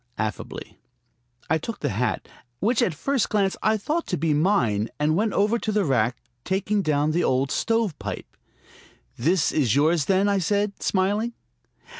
affably. I took the hat, which at first glance I thought to be mine, and went over to the rack, taking down the old stovepipe. "This is yours, then?" I said, smiling.